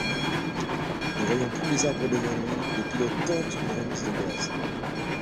Ne voyant plus les arbres devant lui, le pilote tente une remise de gaz.